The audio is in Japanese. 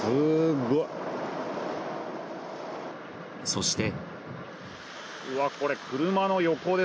そして。